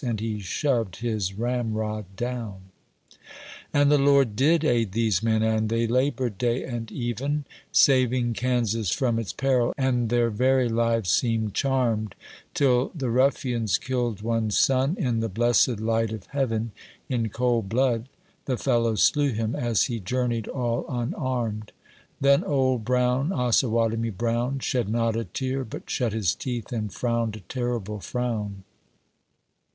and he shoved his ramrod down. And the Lord did aid these men, and they labored day and even, Saving Kansas from its peril — and their very lives seemed charmed ; 64 JOHN brown's invasion. Till the Ituffians killed one son, in the blessed light of heaven — In cold blood the follows slew him, as he journeyed all unarmed ; Then Old Brown, Osawatomie Brown, Shed not a tear, but shut his teeth, and frowned a terrible frown.